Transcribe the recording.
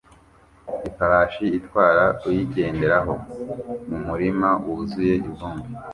ifarashi itwara uyigenderaho mu murima wuzuye ivumbi